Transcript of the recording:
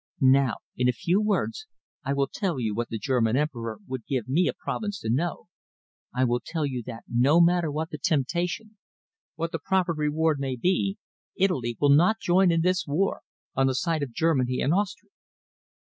Now, in a few words, I will tell you what the German Emperor would give me a province to know. I will tell you that no matter what the temptation, what the proffered reward may be, Italy will not join in this war on the side of Germany and Austria."